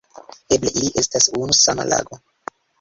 Eble ili estas unu sama lago.